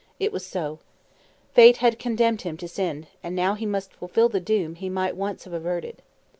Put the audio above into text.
It was so. Fate had condemned him to sin, and he must now fulfil the doom he might once have averted.